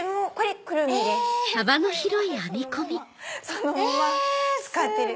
そのまま使ってる。